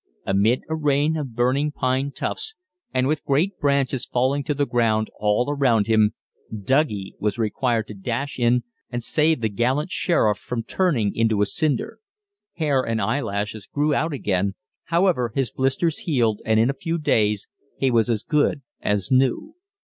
Amid a rain of burning pine tufts, and with great branches falling to the ground all around him, "Douggie" was required to dash in and save the gallant sheriff from turning into a cinder. Hair and eyelashes grew out again, however, his blisters healed, and in a few days he was as good as new.